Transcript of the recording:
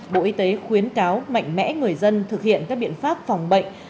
bộ y tế khuyến cáo mạnh mẽ người dân thực hiện các biện pháp phòng bệnh